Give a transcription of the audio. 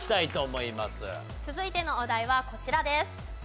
続いてのお題はこちらです。